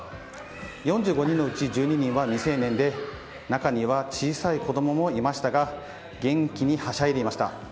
４５人のうち１２人は未成年で中には小さい子供もいましたが元気にはしゃいでいました。